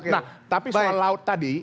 nah tapi bawah laut tadi